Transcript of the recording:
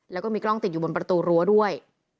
แล้วก็มีกล้องติดอยู่บนประตูรั้วด้วย